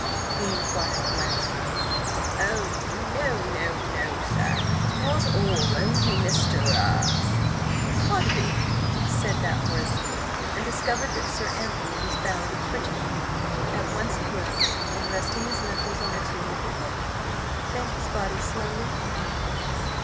he inquired blandly. "Oh, no, no, no, sir! Not all–Only Mr.–er—" "Fudby," said that worthy, and discovered that Sir Anthony was bowing frigidly. At once he rose, and resting his knuckles on the table before him, bent his body slowly and painfully.